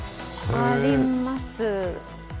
あります。